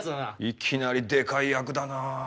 いきなりでかい役だなぁ。